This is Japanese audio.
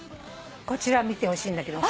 こちら見てほしいんだけど。